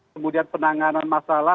kemudian penanganan masalah